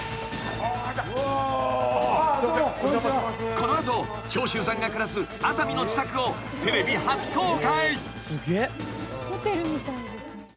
［この後長州さんが暮らす熱海の自宅をテレビ初公開］